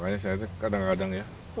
iitu kayak charger ya kang